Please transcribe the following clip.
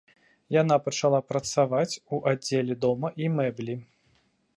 Яна пачала працаваць у аддзеле дома і мэблі.